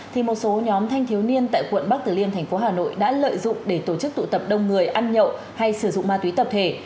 thì một số nhóm thanh thiếu niên tại quận bắc tử liêm thành phố hà nội đã lợi dụng để tổ chức tụ tập đông người ăn nhậu hay sử dụng ma túy tập thể